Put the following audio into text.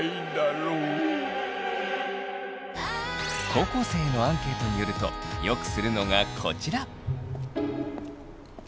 高校生へのアンケートによるとよくするのがこちら。